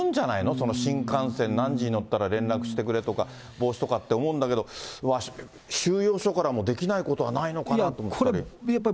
その新幹線、何時に乗ったら連絡してくれとか、帽子とかって思うんだけど、収容所からもできないことはないのかなと思ったり。